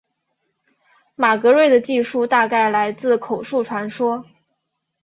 马格瑞的记述大概来自口述传说。